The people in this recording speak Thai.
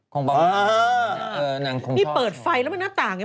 คงโบราณอ๋อคงชอบนี่เปิดไฟแล้วมาหน้าต่างเนี่ย